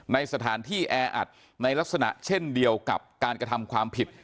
ในสถานที่แออัดในลักษณะเช่นเดียวกับการกระทำความผิด